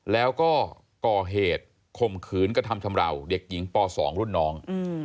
แล้วก็ก่อเหตุข่มขืนกระทำชำราวเด็กหญิงป๒รุ่นน้อง